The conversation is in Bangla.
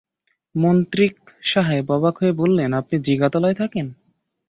মন্ত্রিক সাহেব অবাক হয়ে বললেন, আপনি জিগাতলায় থাকেন?